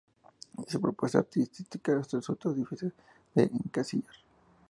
Su propuesta artística resulta difícil de encasillar.